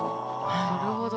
なるほど。